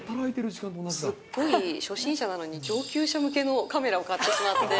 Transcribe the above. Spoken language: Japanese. すっごい初心者なのに、上級者向けのカメラを買ってしまって。